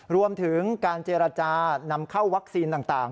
รวมถึงการเจรจานำเข้าวัคซีนต่าง